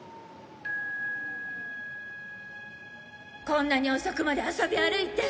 こんなに遅くまで遊び歩いて！